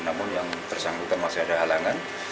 namun yang bersangkutan masih ada halangan